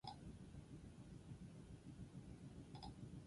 Tartean, baita bi haur txiki ere.